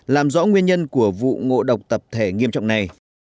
làm rõ nguyên nhân của vụ ngộ độc tập thể nghiêm trọng này